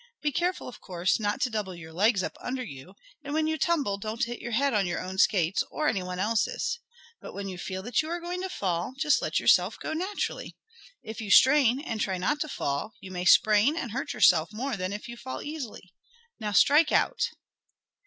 "Be careful, of course, not to double your legs up under you, and when you tumble don't hit your head on your own skates, or any one's else. But when you feel that you are going to fall, just let yourself go naturally. If you strain, and try not to fall, you may sprain and hurt yourself more than if you fall easily. Now strike out!"